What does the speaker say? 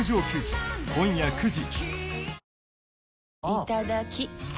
いただきっ！